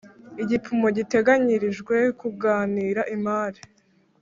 Igipimo giteganyirijwe kunganira imari